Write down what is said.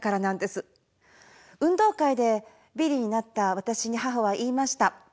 運動会でビリになった私に母は言いました。